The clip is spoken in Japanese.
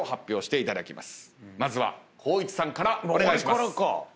まずは光一さんからお願いします。